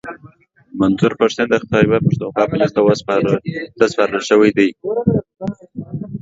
منظور پښتین د خیبرپښتونخوا پوليسو ته سپارل شوی دی